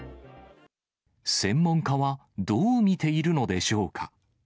専門家はどう見ているのでしょうか。